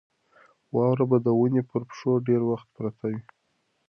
واوره به د ونې پر پښو ډېر وخت پرته وي.